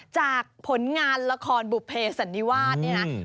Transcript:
จากผลงานละครบุเภสันนิวาสเนี่ยนะ